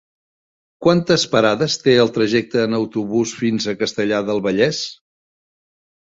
Quantes parades té el trajecte en autobús fins a Castellar del Vallès?